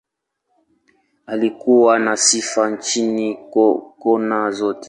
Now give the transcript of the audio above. Alikuwa na sifa nchini, kona zote.